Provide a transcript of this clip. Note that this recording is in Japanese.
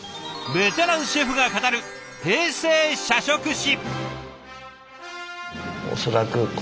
ベテランシェフが語る「平成社食史」。